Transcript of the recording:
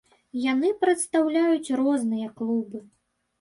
Яны прадстаўляюць розныя клубы.